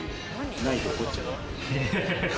ないと怒っちゃう。